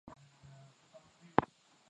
Hawezi mwingine, kunifaa.